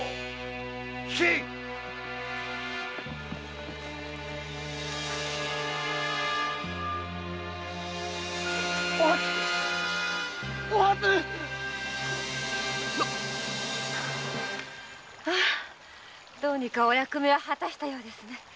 退けお初どうにかお役目を果たしたようですね。